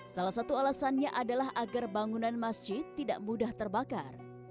salah satu alasannya adalah agar bangunan masjid tidak mudah terbakar